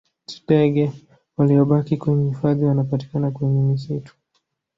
Tdege waliyobaki kwenye hifadhi wanapatikana kwenye misitu